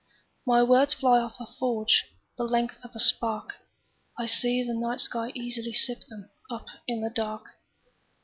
My words fly off a forgeThe length of a spark;I see the night sky easily sip themUp in the dark.